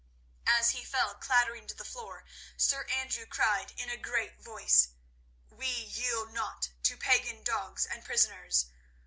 As he fell clattering to the floor, Sir Andrew cried in a great voice: "We yield not to pagan dogs and poisoners.